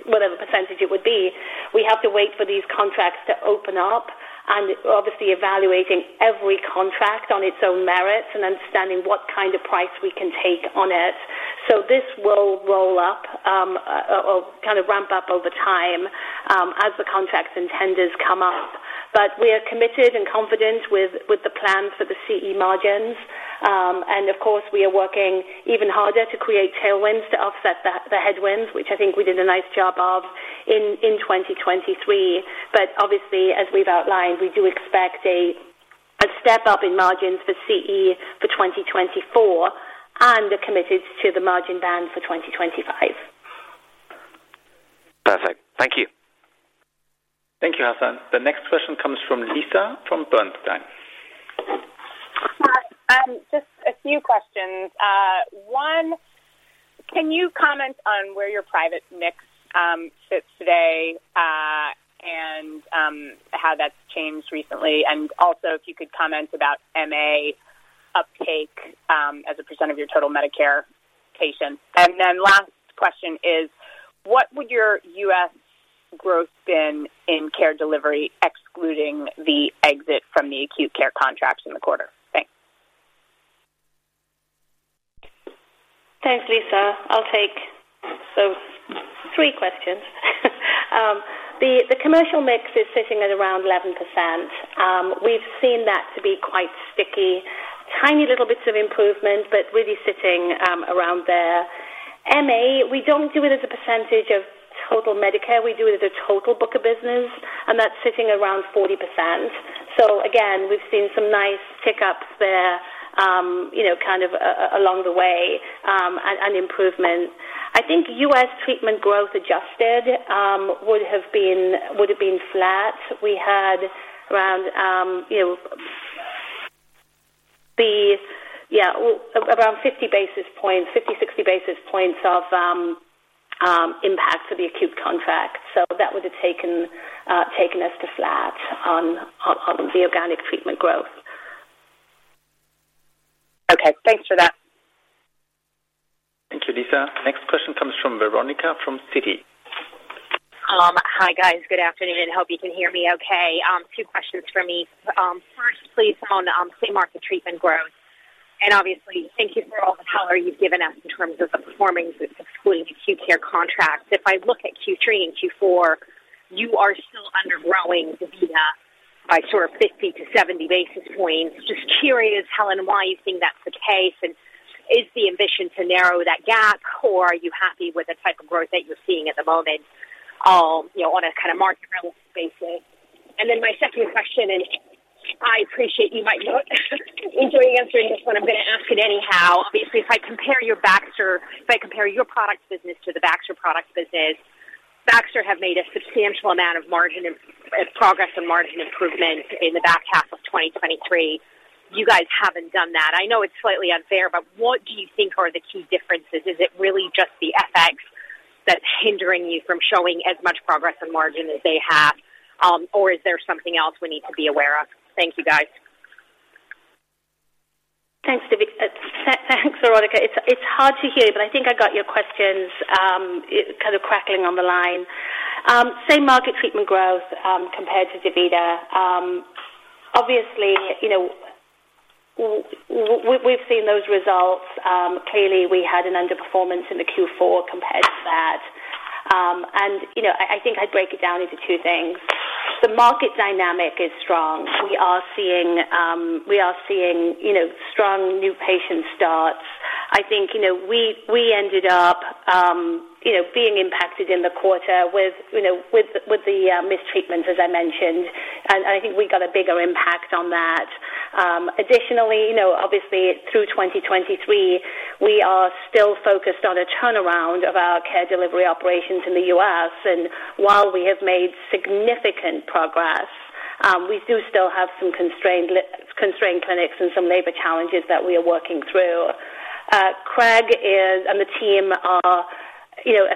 whatever percentage it would be, we have to wait for these contracts to open up and obviously evaluating every contract on its own merits and understanding what kind of price we can take on it. So this will roll up or kind of ramp up over time as the contracts and tenders come up. But we are committed and confident with the plans for the CE margins. Of course, we are working even harder to create tailwinds to offset the headwinds, which I think we did a nice job of in 2023. Obviously, as we've outlined, we do expect a step up in margins for CE for 2024 and are committed to the margin band for 2025. Perfect. Thank you. Thank you, Hassan. The next question comes from Lisa from Bernstein. Hi. Just a few questions. One, can you comment on where your private mix sits today and how that's changed recently? And also, if you could comment about MA uptake as a percent of your total Medicare patients. And then last question is, what would your US growth been in Care Delivery excluding the exit from the acute care contracts in the quarter? Thanks. Thanks, Lisa. I'll take those three questions. The commercial mix is sitting at around 11%. We've seen that to be quite sticky, tiny little bits of improvement, but really sitting around there. MA, we don't do it as a percentage of total Medicare. We do it as a total book of business, and that's sitting around 40%. So again, we've seen some nice tick-ups there kind of along the way and improvement. I think US treatment growth adjusted would have been flat. We had around, yeah, around 50 basis points, 50-60 basis points of impact for the acute contract. So that would have taken us to flat on the organic treatment growth. Okay. Thanks for that. Thank you, Lisa. Next question comes from Veronika from Citi. Hi, guys. Good afternoon. I hope you can hear me okay. Two questions for me. First, please, on free market treatment growth. And obviously, thank you for all the color you've given us in terms of the performance excluding acute care contracts. If I look at Q3 and Q4, you are still undergrowing DaVita by sort of 50-70 basis points. Just curious, Helen, why you think that's the case. And is the ambition to narrow that gap, or are you happy with the type of growth that you're seeing at the moment on a kind of market-realistic basis? And then my second question, and I appreciate you might not enjoy answering this one. I'm going to ask it anyhow. Obviously, if I compare your product business to the Baxter product business, Baxter have made a substantial amount of progress and margin improvement in the back half of 2023. You guys haven't done that. I know it's slightly unfair, but what do you think are the key differences? Is it really just the FX that's hindering you from showing as much progress on margin as they have, or is there something else we need to be aware of? Thank you, guys. Thanks, Veronika. It's hard to hear you, but I think I got your questions kind of crackling on the line. Same-market treatment growth compared to DaVita. Obviously, we've seen those results. Clearly, we had an underperformance in the Q4 compared to that. And I think I'd break it down into two things. The market dynamic is strong. We are seeing strong new patient starts. I think we ended up being impacted in the quarter with the missed treatments, as I mentioned. And I think we got a bigger impact on that. Additionally, obviously, through 2023, we are still focused on a turnaround of our Care Delivery operations in the U.S. And while we have made significant progress, we do still have some constrained clinics and some labor challenges that we are working through. Craig and the team are 1,000%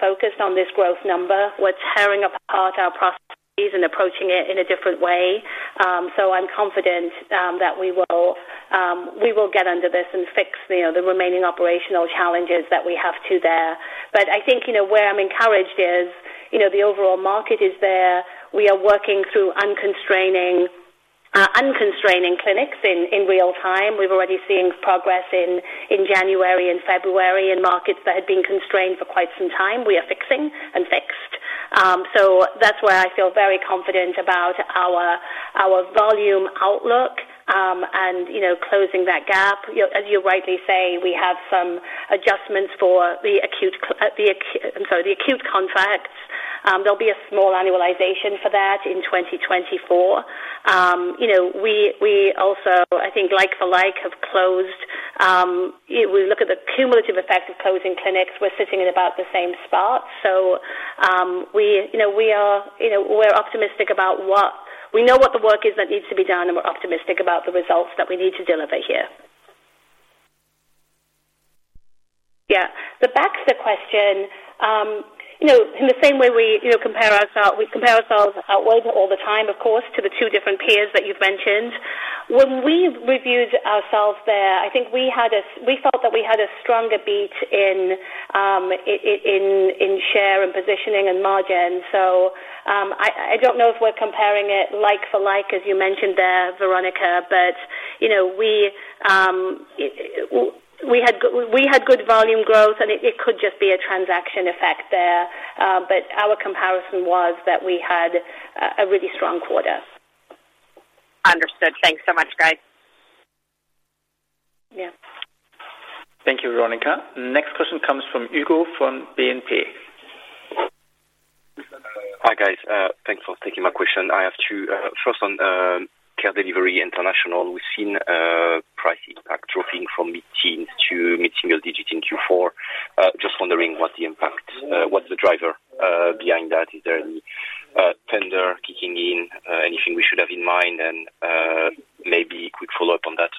focused on this growth number. We're tearing apart our processes and approaching it in a different way. So I'm confident that we will get under this and fix the remaining operational challenges that we have there. But I think where I'm encouraged is the overall market is there. We are working through unconstraining clinics in real time. We've already seen progress in January and February in markets that had been constrained for quite some time. We are fixing and fixed. So that's where I feel very confident about our volume outlook and closing that gap. As you rightly say, we have some adjustments for the acute—I'm sorry, the acute contracts. There'll be a small annualization for that in 2024. We also, I think, like for like, have closed if we look at the cumulative effect of closing clinics; we're sitting in about the same spot. So we are optimistic about what we know what the work is that needs to be done, and we're optimistic about the results that we need to deliver here. Yeah. The Baxter question, in the same way we compare ourselves outward all the time, of course, to the two different peers that you've mentioned, when we reviewed ourselves there, I think we felt that we had a stronger beat in share and positioning and margin. So I don't know if we're comparing it like for like, as you mentioned there, Veronika, but we had good volume growth, and it could just be a transaction effect there. But our comparison was that we had a really strong quarter. Understood. Thanks so much, guys. Yeah. Thank you, Veronika. Next question comes from Hugo from BNP. Hi, guys. Thanks for taking my question. I have two. First, on Care Delivery International, we've seen price impact dropping from mid-single-digit in Q4. Just wondering what's the impact, what's the driver behind that? Is there any tender kicking in, anything we should have in mind? And maybe quick follow-up on that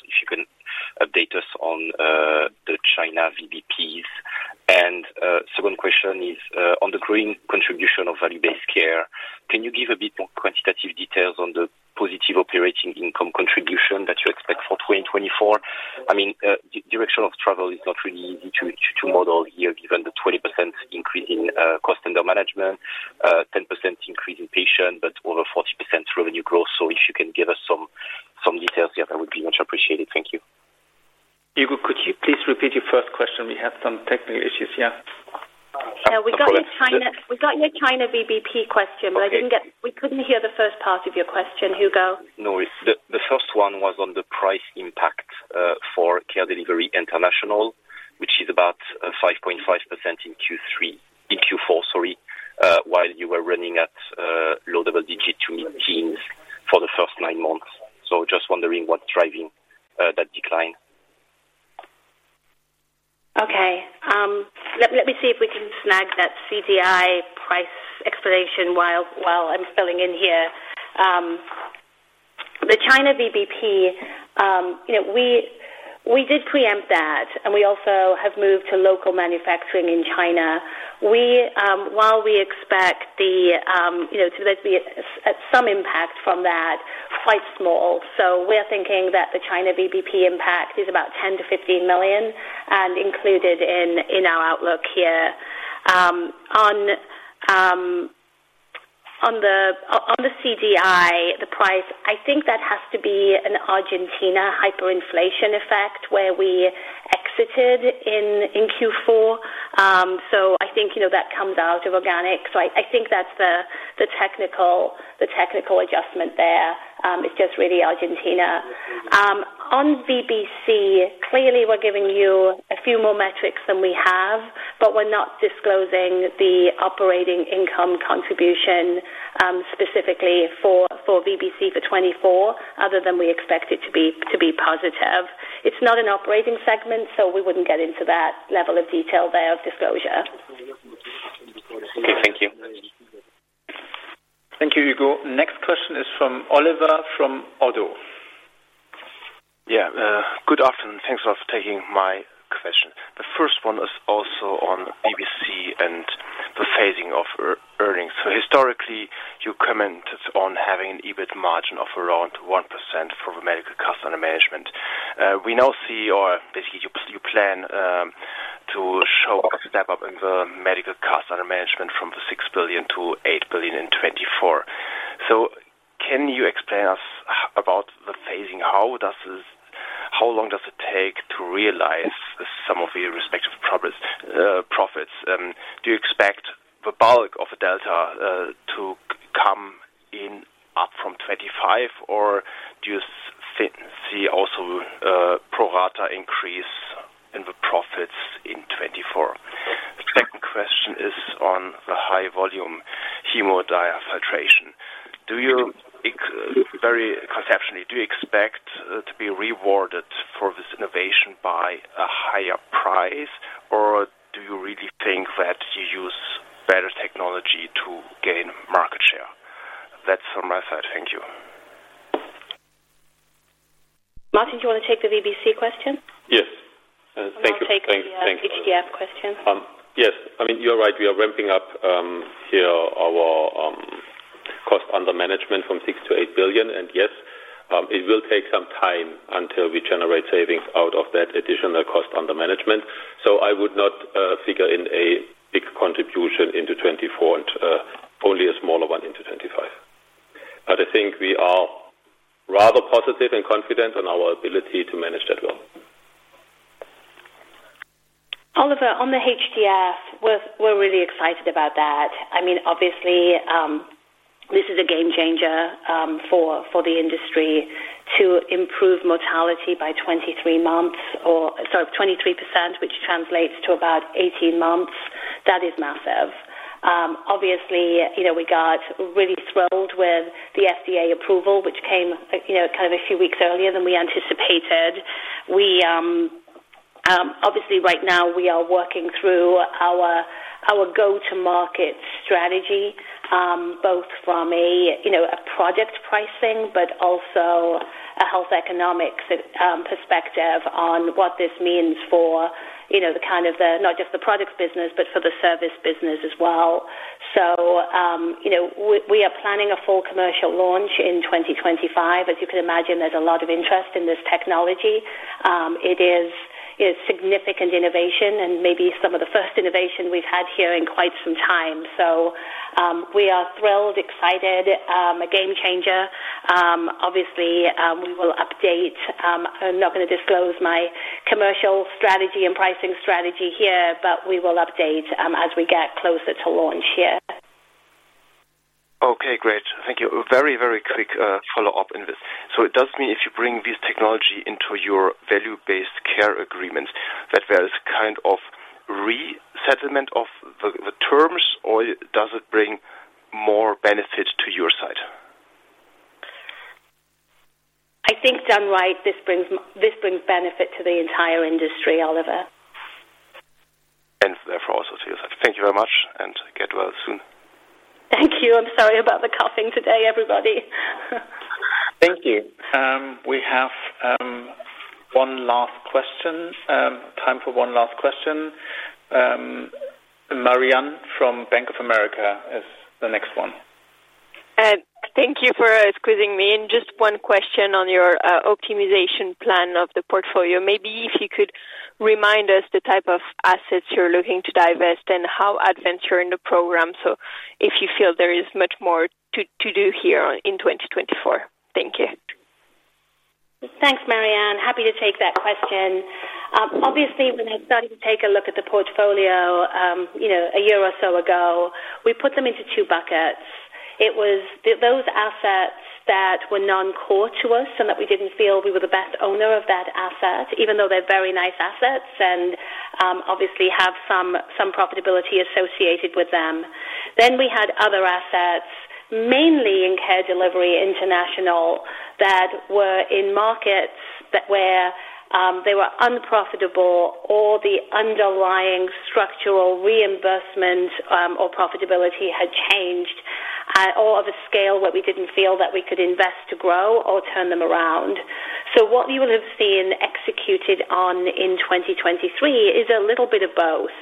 The China VBP, we did preempt that, and we also have moved to local manufacturing in China. While we expect there to be some impact from that, quite small. So we're thinking that the China VBP impact is about 10 million-15 million and included in our outlook here. On the CDI, the price, I think that has to be an Argentina hyperinflation effect where we exited in Q4. So I think that comes out of organic. So I think that's the technical adjustment there. It's just really Argentina. On VBC, clearly, we're giving you a few more metrics than we have, but we're not disclosing the operating income contribution specifically for VBC for 2024 other than we expect it to be positive.It's not an operating segment, so we wouldn't get into that level of detail there of disclosure. Okay. Thank you. Thank you, Hugo. Next question is from Oliver from ODDO. Yeah. Good afternoon. Thanks for taking my question. The first one is also on VBC and the phasing of earnings. So historically, you commented on having an EBIT margin of around 1% for the medical cost under management. We now see or basically, you plan to show a step up in the medical cost under management from 6 billion-8 billion in 2024. So can you explain us about the phasing? How long does it take to realize some of your respective profits? Do you expect the bulk of the delta to come in up from 2025, or do you see also a pro-rata increase in the profits in 2024? Second question is on the high-volume hemodiafiltration. Very conceptually, do you expect to be rewarded for this innovation by a higher price, or do you really think that you use better technology to gain market share? That's from my side. Thank you. Martin, do you want to take the VBC question? Yes. Thank you. I'm going to take the HDF question. Yes. I mean, you're right. We are ramping up here our cost under management from 6 billion-8 billion. And yes, it will take some time until we generate savings out of that additional cost under management. So I would not figure in a big contribution into 2024 and only a smaller one into 2025. But I think we are rather positive and confident on our ability to manage that well. Oliver, on the HDF, we're really excited about that. I mean, obviously, this is a game-changer for the industry to improve mortality by 23 months or sorry, 23%, which translates to about 18 months. That is massive. Obviously, we got really thrilled with the FDA approval, which came kind of a few weeks earlier than we anticipated. Obviously, right now, we are working through our go-to-market strategy both from a project pricing but also a health economics perspective on what this means for the kind of the not just the products business but for the service business as well. So we are planning a full commercial launch in 2025. As you can imagine, there's a lot of interest in this technology. It is significant innovation and maybe some of the first innovation we've had here in quite some time. So we are thrilled, excited, a game-changer. Obviously, we will update. I'm not going to disclose my commercial strategy and pricing strategy here, but we will update as we get closer to launch here. Okay. Great. Thank you. Very, very quick follow-up in this. So it does mean if you bring this technology into your value-based care agreements, that there is kind of resettlement of the terms, or does it bring more benefit to your side? I think done right, this brings benefit to the entire industry, Oliver. And therefore also to your side. Thank you very much, and get well soon. Thank you. I'm sorry about the coughing today, everybody. Thank you. We have one last question. Time for one last question. Marianne from Bank of America is the next one. Thank you for squeezing me in. Just one question on your optimization plan of the portfolio. Maybe if you could remind us the type of assets you're looking to divest and how advanced you're in the program so if you feel there is much more to do here in 2024. Thank you. Thanks, Marianne. Happy to take that question. Obviously, when I started to take a look at the portfolio a year or so ago, we put them into two buckets. It was those assets that were non-core to us and that we didn't feel we were the best owner of that asset, even though they're very nice assets and obviously have some profitability associated with them. Then we had other assets, mainly in Care Delivery International, that were in markets where they were unprofitable or the underlying structural reimbursement or profitability had changed or of a scale where we didn't feel that we could invest to grow or turn them around. So what you will have seen executed on in 2023 is a little bit of both.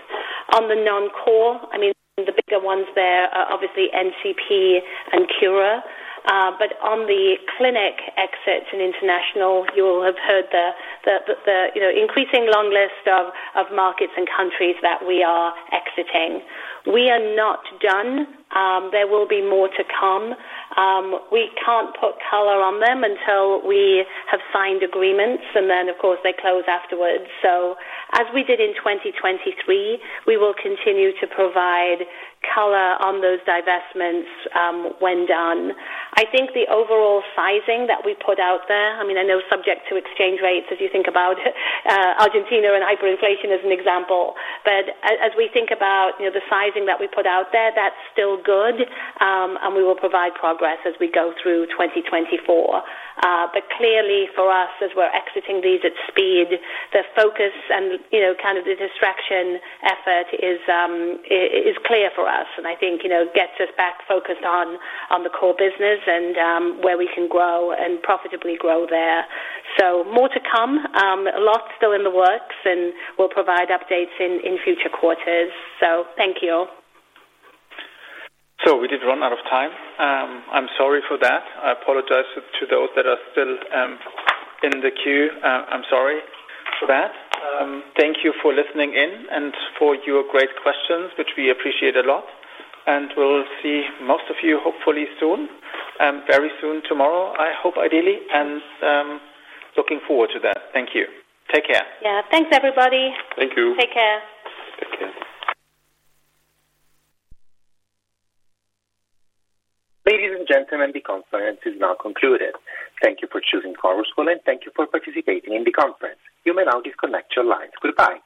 On the non-core, I mean, the bigger ones there are obviously NCP and Cura. But on the clinic exits in international, you will have heard the increasingly long list of markets and countries that we are exiting. We are not done. There will be more to come. We can't put color on them until we have signed agreements, and then, of course, they close afterwards. So as we did in 2023, we will continue to provide color on those divestments when done. I think the overall sizing that we put out there. I mean, I know subject to exchange rates as you think about it, Argentina and hyperinflation as an example. But as we think about the sizing that we put out there, that's still good, and we will provide progress as we go through 2024.But clearly, for us, as we're exiting these at speed, the focus and kind of the distraction effort is clear for us and I think gets us back focused on the core business and where we can grow and profitably grow there. So more to come. A lot still in the works, and we'll provide updates in future quarters. So thank you all. We did run out of time. I'm sorry for that. I apologize to those that are still in the queue. I'm sorry for that. Thank you for listening in and for your great questions, which we appreciate a lot. We'll see most of you, hopefully, soon, very soon tomorrow, I hope ideally, and looking forward to that. Thank you. Take care. Yeah. Thanks, everybody. Thank you. Take care. Take care. Ladies and gentlemen, the conference is now concluded. Thank you for choosing Chorus Call, and thank you for participating in the conference. You may now disconnect your lines. Goodbye.